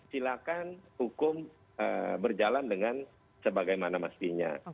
silakan hukum berjalan dengan sebagaimana mestinya